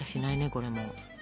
これもう。